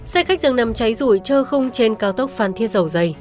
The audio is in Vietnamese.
xe khách dường nằm cháy rủi trơ khung trên cao tốc phan thiên dầu dày